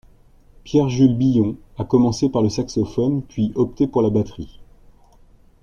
Pierre-Jules Billon a commencé par le saxophone puis opté pour la batterie.